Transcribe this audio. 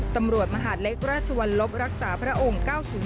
ตำรวจมหาดเล็กราชวรรลบรักษาพระองค์๙๐